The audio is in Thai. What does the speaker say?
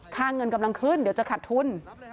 เงินกำลังขึ้นเดี๋ยวจะขัดทุน